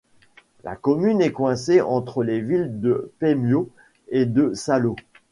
La commune est coincée entre les villes de Paimio et de Salo.